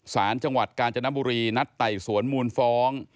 สารจังหวัดกาญจนบุรีนัดไต่สวนมูลฟ้อง